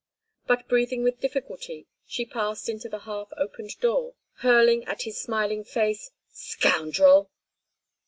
But breathing with difficulty, she passed into the half opened door, hurling at his smiling face: "Scoundrel!"